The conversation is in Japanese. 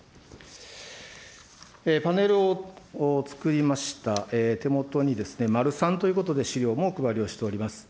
パネルをつくりました、手元に丸３ということで、資料もお配りをしております。